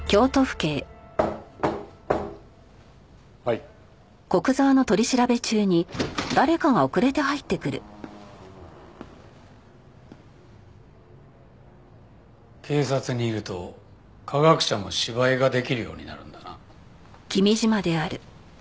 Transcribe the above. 警察にいると科学者も芝居ができるようになるんだな。